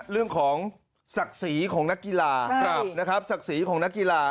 เรื่องของศักดิ์ศรีของนักกีฬาศักดิ์ศรีของนักกีฬา